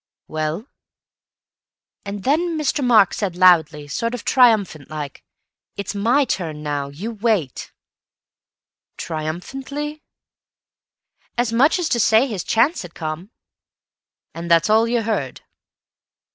"Well?" "And then Mr. Mark said loudly—sort of triumphant like—'It's my turn now. You wait.'" "Triumphantly?" "As much as to say his chance had come." "And that's all you heard?"